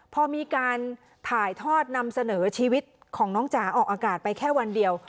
พอมีการถ่ายทอดนำเสนอชีวิตของน้องจ๋าออกอากาศไปแค่วันเดียว